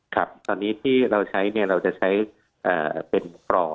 ครับตอนนี้ที่เราใช้เนี่ยเราจะใช้เป็นปล่อนะครับ